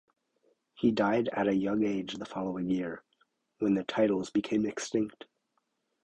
He died at a young age the following year, when the titles became extinct.